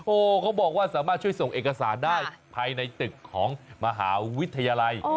โอ้โหเขาบอกว่าสามารถช่วยส่งเอกสารได้ภายในตึกของมหาวิทยาลัย